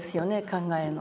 考えの。